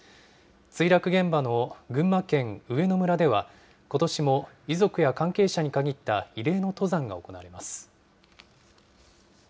墜落現場の群馬県上野村では、ことしも遺族や関係者に限った慰霊の登山が行われます。